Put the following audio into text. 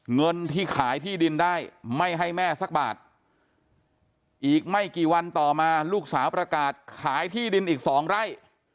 เงินที่ขายที่ดินได้ไม่ให้แม่สักบาทอีกไม่กี่วันต่อมาลูกสาวประกาศขายที่ดินอีก๒ไร่